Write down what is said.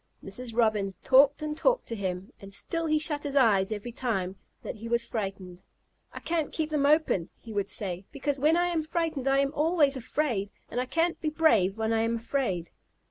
Mrs. Robin talked and talked to him, and still he shut his eyes every time that he was frightened. "I can't keep them open," he would say, "because when I am frightened I am always afraid, and I can't be brave when I am afraid."